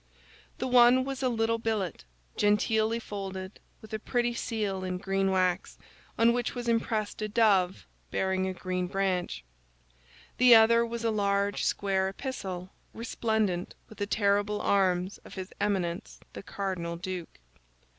The one was a little billet, genteelly folded, with a pretty seal in green wax on which was impressed a dove bearing a green branch. The other was a large square epistle, resplendent with the terrible arms of his Eminence the cardinal duke.